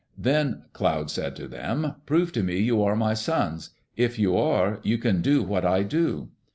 Then Cloud said to them, "Prove to me you are my sons. If you are, you can do what I do."